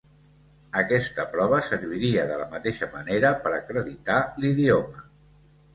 Aquesta prova serviria de la mateixa manera per acreditar l’idioma.